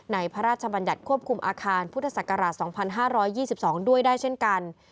พระราชบัญญัติควบคุมอาคารพุทธศักราช๒๕๒๒ด้วยได้เช่นกัน